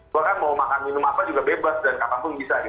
gua kan mau makan minum apa juga bebas dan kapanpun bisa gitu